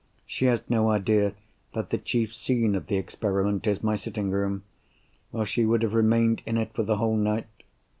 She has no idea that the chief scene of the experiment is my sitting room—or she would have remained in it for the whole night!